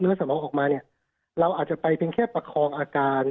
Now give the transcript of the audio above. สมองออกมาเนี่ยเราอาจจะไปเพียงแค่ประคองอาการ